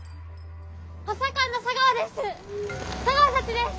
補佐官の茶川です！